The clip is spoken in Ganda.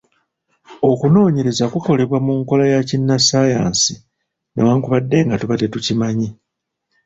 Okunoonyereza kukolebwa mu nkola ya Kinnassaayansi newankubadde nga tuba tetukimanyi.